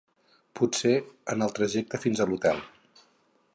Potser en el trajecte fins a l'hotel.